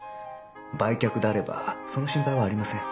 売却であればその心配はありません。